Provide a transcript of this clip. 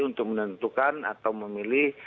untuk menentukan atau memilih